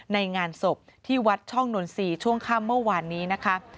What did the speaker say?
ในงานศพที่วัดช่องนนทรีย์ช่วงค่ำเมื่อวานนี้นะคะ